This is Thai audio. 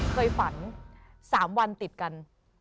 เคยฝัน๓วันติดกัน